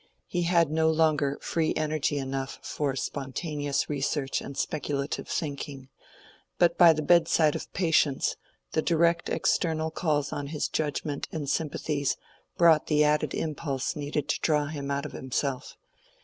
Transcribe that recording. He had no longer free energy enough for spontaneous research and speculative thinking, but by the bedside of patients, the direct external calls on his judgment and sympathies brought the added impulse needed to draw him out of himself.